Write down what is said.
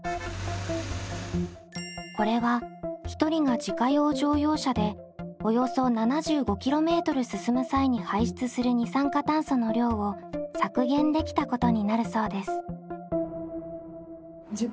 これは１人が自家用乗用車でおよそ７５ｋｍ進む際に排出する二酸化炭素の量を削減できたことになるそうです。